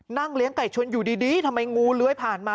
เลี้ยงไก่ชนอยู่ดีทำไมงูเลื้อยผ่านมา